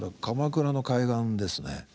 鎌倉の海岸ですね。